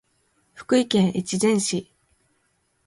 福井県越前市